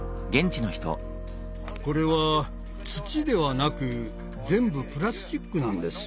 これは土ではなく全部プラスチックなんです。